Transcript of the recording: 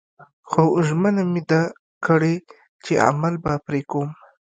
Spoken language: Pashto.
خو ژمنه مې ده کړې چې عمل به پرې کوم